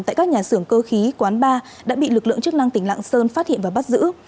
tại các nhà xưởng cơ khí quán bar đã bị lực lượng chức năng tỉnh lạng sơn phát hiện và bắt giữ